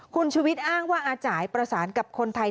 คุณชุวิตอ้างว่าอาจ่ายประสานกับคนไทย